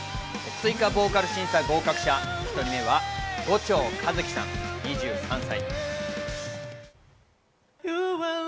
追加ボーカル審査合格者、１人目は後町和輝さん、２３歳。